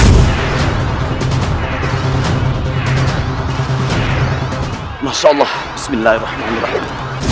masya allah bismillahirrahmanirrahim